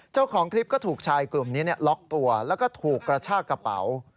เจ้าของคลิปก็ถูกชายกลุ่มนี้ล็อกตัวแล้วก็ถูกกระชากระเป๋า